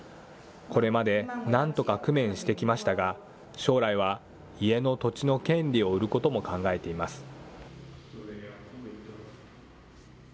これまでなんとか工面してきましたが、将来は家の土地の権利を売ることも考えています。